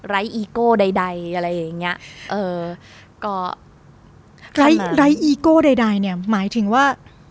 ร้ายอีโก้ใดอะไรอย่างเงี้ยเออก็ร้ายร้ายอีโก้ใดเนี้ยหมายถึงว่า